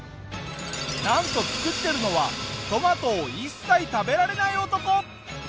なんと作ってるのはトマトを一切食べられない男！